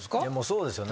そうですよ。